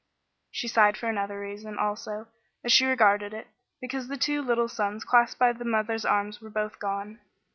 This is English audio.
She sighed for another reason, also, as she regarded it: because the two little sons clasped by the mother's arms were both gone.